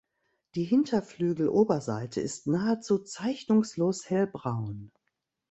Die Hinterflügeloberseite ist nahezu zeichnungslos hellbraun.